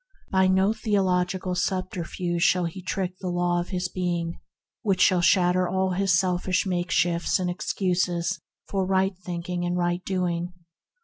By no theological subterfuge may he trick the Law of his being, which shall shatter all his selfish makeshifts and excuses for right thinking and right doing.